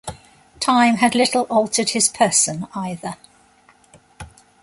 Time had little altered his person either.